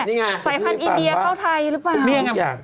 นี่ไงสายพันธุอินเดียเข้าไทยหรือเปล่า